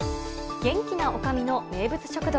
元気なおかみの名物食堂。